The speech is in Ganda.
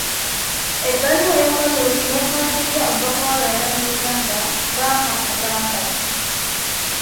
Ebbaluwa y'okwemulugunya yakwasiddwa omubaka wa Rwanda mu Uganda, Frank Mugambage.